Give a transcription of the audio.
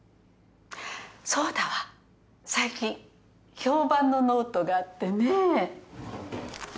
そうだわ最近評判のノートがあってね。